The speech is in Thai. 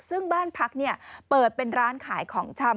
ซึ่งบ้านพักเปิดเป็นร้านขายของชำ